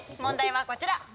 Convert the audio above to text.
問題はこちら。